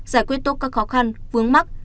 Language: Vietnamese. giải quyết tốt các khó khăn vướng mắc